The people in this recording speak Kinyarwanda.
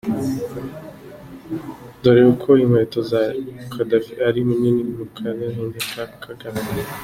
Dore uko inkweto za Kadafi ari nini mukarenge Ka Kagame.